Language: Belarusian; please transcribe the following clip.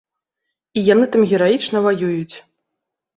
І яны там гераічна ваююць.